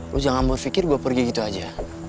lu jangan berfikir gue pergi gitu aja